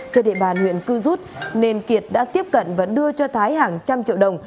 trên địa bàn huyện cư rút nên kiệt đã tiếp cận và đưa cho thái hàng trăm triệu đồng